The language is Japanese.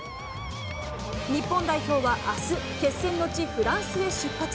日本代表はあす、決戦の地、フランスへ出発。